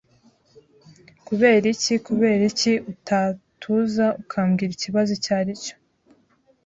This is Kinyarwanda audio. Kuberiki Kuberiki utatuza ukambwira ikibazo icyo ari cyo?